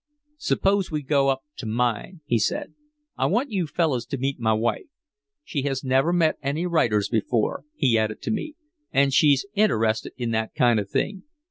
"Suppose we go up to mine," he said. "I want you fellows to meet my wife. She has never met any writers before," he added to me, "and she's interested in that kind of thing.